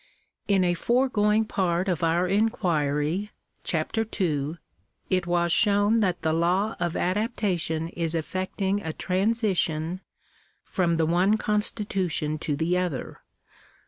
In a foregoing part of our inquiry (Chap. II.), it was shown that the law of adaptation is effecting a transition from the one constitution to the other.